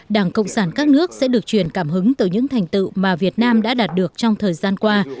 đảng cộng sản các nước sẽ được truyền cảm hứng từ những thành tựu mà việt nam đã đạt được trong thời gian qua